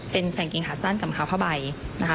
เป็นกางเกงขาสั้นกับขาผ้าใบนะคะ